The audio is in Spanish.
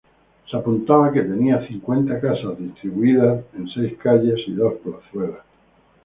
Se apuntaba que tenía cincuenta casas distribuidas en seis calles y dos plazuelas.